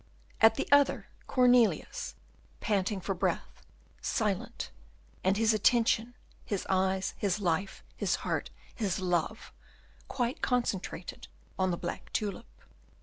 At the other, Cornelius, panting for breath, silent, and his attention, his eyes, his life, his heart, his love, quite concentrated on the black tulip.